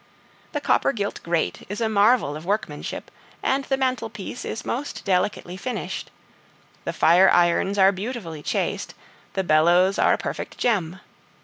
The copper gilt grate is a marvel of workmanship, and the mantelpiece is most delicately finished; the fire irons are beautifully chased; the bellows are a perfect gem.